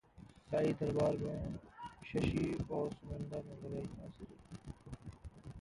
साईं दरबार में शशि और सुनंदा ने लगाई हाजिरी